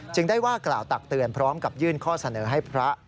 ได้ว่ากล่าวตักเตือนพร้อมกับยื่นข้อเสนอให้พระ